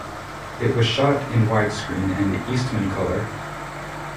It was shot in widescreen and Eastmancolor.